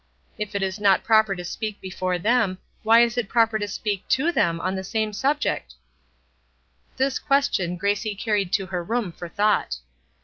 If it is not proper to speak before them, why is it proper to speak to them on the same subject?" This question Gracie carried to her room for thought.